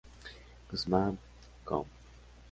Guzmán, com.